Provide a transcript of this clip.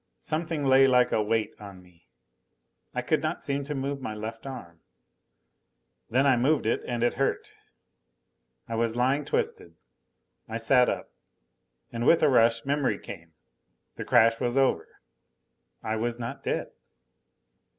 Something lay like a weight on me. I could not seem to move my left arm. Then I moved it and it hurt. I was lying twisted. I sat up. And with a rush, memory came. The crash was over. I was not dead.